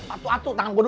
atu atu tangan gua dulu